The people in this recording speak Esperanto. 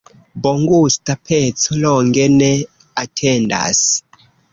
Bongusta peco longe ne atendas.